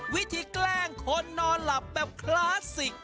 แกล้งคนนอนหลับแบบคลาสสิก